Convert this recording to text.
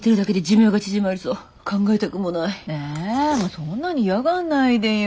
そんなに嫌がんないでよ。